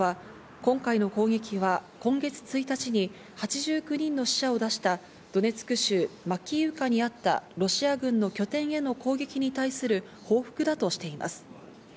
ロシア国防省は今回の攻撃は今月１日に８９人の死者を出したドネツク州マキイウカにあったロシア軍の拠点への攻撃に対する報復だとしています。